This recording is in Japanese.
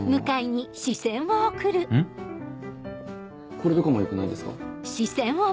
これとかもよくないですか？